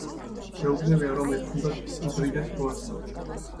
გვეუბნებიან, რომ ეს, ეს უნდა უდრიდეს რვას.